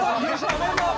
おめでとう！